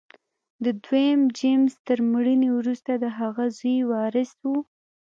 د دویم جېمز تر مړینې وروسته د هغه زوی وارث و.